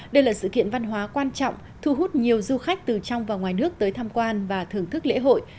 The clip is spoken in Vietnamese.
đây là sự kiện văn hóa quan trọng thu hút nhiều du khách từ trong và ngoài nước tới tham quan và thưởng thức lễ hội